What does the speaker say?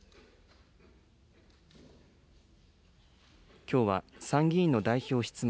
きょうは参議院の代表質問